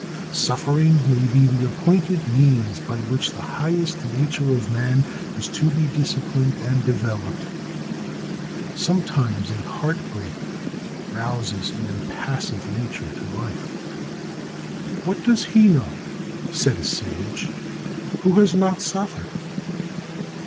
Suffering may be the appointed means by which the highest nature of man is to be disciplined and developed. Sometimes a heart break rouses an impassive nature to life. "What does he know," said a sage, "who has not suffered?"